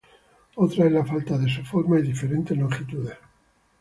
Otra es la falta de su forma y diferentes longitudes.